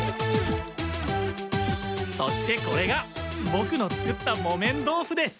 そしてこれがボクの作った木綿豆腐です。